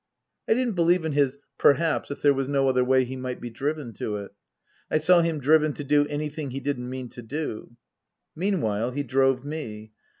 I didn't believe in his " Perhaps if there was no other wa y he might be driven to it. " I saw him driven to do anything he didn't mean to do ! Meanwhile he drove me.